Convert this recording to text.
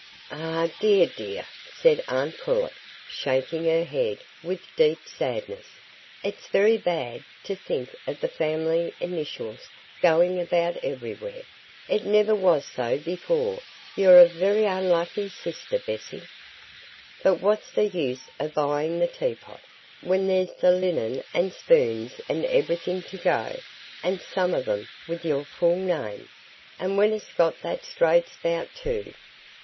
"Ah, dear, dear!" said aunt Pullet, shaking her head with deep sadness, "it's very bad,—to think o' the family initials going about everywhere—it niver was so before; you're a very unlucky sister, Bessy. But what's the use o' buying the teapot, when there's the linen and spoons and everything to go, and some of 'em with your full name,—and when it's got that straight spout, too."